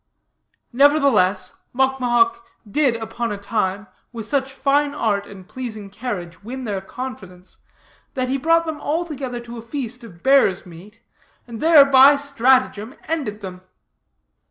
Nevertheless, Mocmohoc did, upon a time, with such fine art and pleasing carriage win their confidence, that he brought them all together to a feast of bear's meat, and there, by stratagem, ended them.